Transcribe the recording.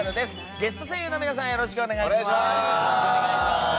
ゲスト声優の皆さんよろしくお願いします。